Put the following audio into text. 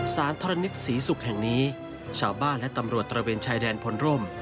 สารทรณิชสีสุกแห่งนี้เช้าบ้านและตำรวจตระเวณชายแดนพลร่ม